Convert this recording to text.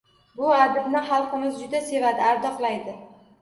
Bu adibni xalqimiz juda sevadi, ardoqlaydi